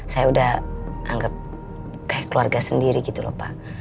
saya udah anggap kayak keluarga sendiri gitu lho pak